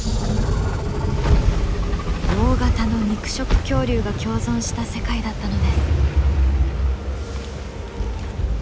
大型の肉食恐竜が共存した世界だったのです。